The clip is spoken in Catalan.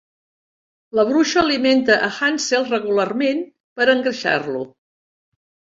La bruixa alimenta a Hansel regularment per a engreixar-lo.